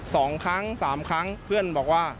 สองครั้งสามครั้งเพื่อนบอกว่า